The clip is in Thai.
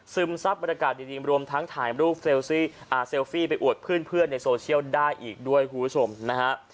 ซับบรรยากาศดีรวมทั้งถ่ายรูปเซลฟี่ไปอวดเพื่อนในโซเชียลได้อีกด้วยคุณผู้ชมนะฮะ